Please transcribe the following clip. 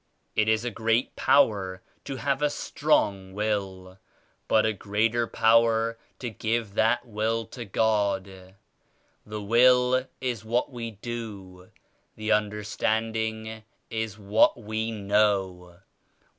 It is a great power to have a strong will, but a greater power to give that will to God. The will is 30 ivhat we do, the understanding is what we know.